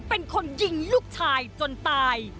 เป็นคนยิงลูกชายจนตาย